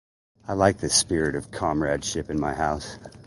I like this spirit of comradeship in my house.